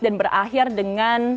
dan berakhir dengan